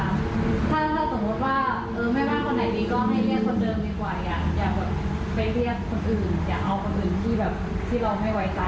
ถ้าสมมติว่าแม่บ้านคนไหนดีก็ให้เรียกคนเดิมดีกว่าอย่าไปเรียกคนอื่น